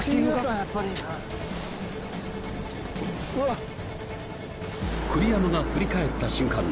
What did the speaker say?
やっぱり栗山が振り返った瞬間